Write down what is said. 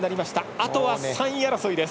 あとは３位争いです。